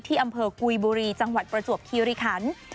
อำเภอกุยบุรีจังหวัดประจวบคีริคัน